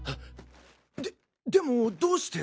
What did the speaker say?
ででもどうして。